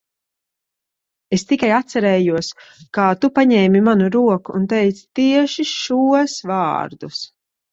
Es tikai atcerējos, kā tu paņēmi manu roku un teici tieši šos vārdus.